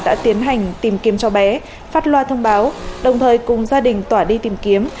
đã tiến hành tìm kiếm cho bé phát loa thông báo đồng thời cùng gia đình tỏa đi tìm kiếm